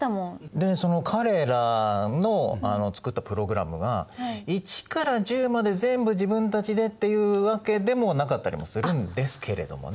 でその彼らの作ったプログラムが１から１０まで全部自分たちでっていうわけでもなかったりもするんですけれどもね。